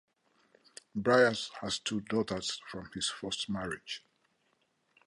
Bryars has two daughters from his first marriage.